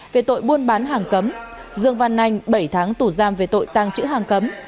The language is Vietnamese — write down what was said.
về tội buôn bán hàng cấm dương văn anh bảy tháng tù giam về tội tàng chữ hàng cấm